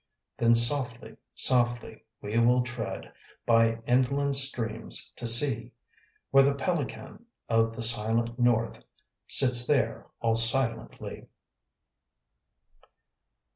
Then softly, softly will we tread By inland streams, to see Where the pelican of the silent North Sits there all silently.